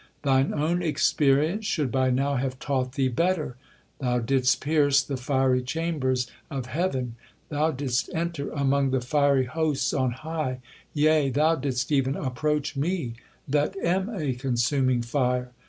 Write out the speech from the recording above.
Thine own experience should by now have taught thee better; thou didst pierce the fiery chambers of heaven, thou didst enter among the fiery hosts on high, yea, thou didst even approach Me, that 'am a consuming fire.'